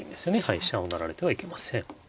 飛車を成られてはいけません。